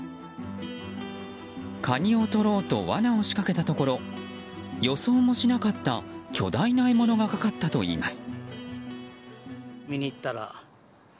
カニをとろうと罠を仕掛けたところ予想もしなかった巨大な獲物がかかったといいます。